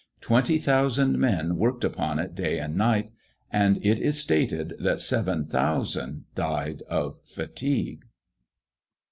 Twenty thousand men worked upon it day and night; and it is stated that 7,000 died of fatigue.